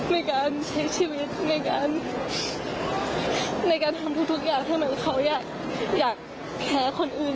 ในการใช้ชีวิตในการทำทุกอย่างให้เขาอยากแค้คนอื่น